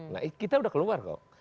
nah kita udah keluar kok